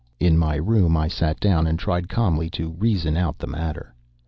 In my room I sat down and tried calmly to reason out the matter.